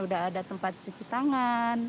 udah ada tempat cuci tangan